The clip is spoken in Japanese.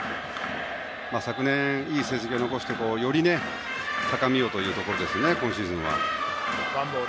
昨年、いい成績を残してより高みをというところですね